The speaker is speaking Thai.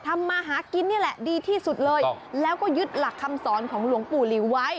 มาหากินนี่แหละดีที่สุดเลยแล้วก็ยึดหลักคำสอนของหลวงปู่หลิวไว้